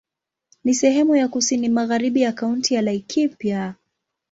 Ni sehemu ya kusini magharibi ya Kaunti ya Laikipia.